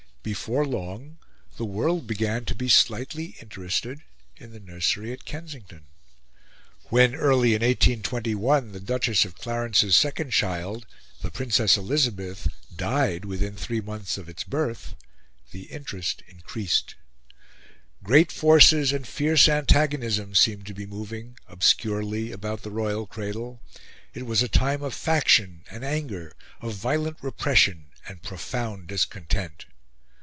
Before long, the world began to be slightly interested in the nursery at Kensington. When, early in 1821, the Duchess of Clarence's second child, the Princess Elizabeth, died within three months of its birth, the interest increased. Great forces and fierce antagonisms seemed to be moving, obscurely, about the royal cradle. It was a time of faction and anger, of violent repression and profound discontent.